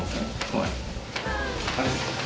はい。